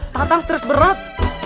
tatang stres berat